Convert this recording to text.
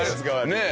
ねえ。